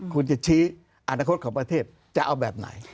คุณจะชี้อนาคตของประเทศจะเอาแบบไหน